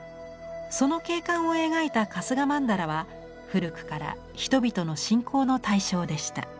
その景観を描いた春日曼荼羅は古くから人々の信仰の対象でした。